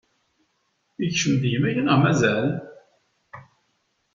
Ikcem-d gma-k neɣ mazal?